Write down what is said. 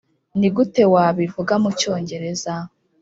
nigute wabivuga mucyongereza?